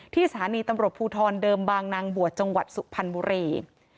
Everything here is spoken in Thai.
สถานีตำรวจภูทรเดิมบางนางบวชจังหวัดสุพรรณบุรี